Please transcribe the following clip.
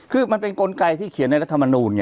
คือมันเป็นกลไกที่เขียนในรัฐธรรมรุน